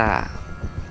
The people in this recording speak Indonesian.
kalau bu rosa